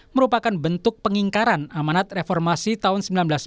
merupakan bentuk pengingkaran amanat reformasi tahun seribu sembilan ratus empat puluh